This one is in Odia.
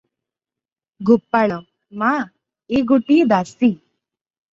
ଗୋପାଳ - ମା, ଏ ଗୋଟିଏ ଦାସୀ ।